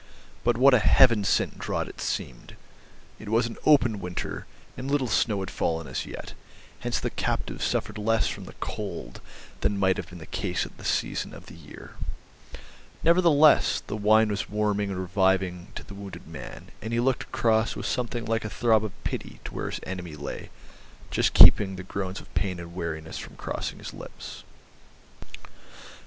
But what a Heaven sent draught it seemed! It was an open winter, and little snow had fallen as yet, hence the captives suffered less from the cold than might have been the case at that season of the year; nevertheless, the wine was warming and reviving to the wounded man, and he looked across with something like a throb of pity to where his enemy lay, just keeping the groans of pain and weariness from crossing his lips.